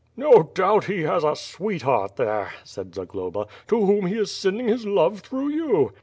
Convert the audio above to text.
"No doubt he has a sweetheart there," said Zagloba, "to whom he is sending his love through you."